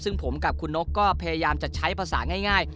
ซึ่งผมกับคุณนกก็พยายามจะใช้ภาษาง่าย